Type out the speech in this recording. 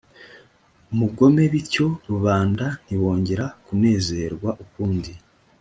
umugome bityo rubanda ntibongera kunezerwa ukundi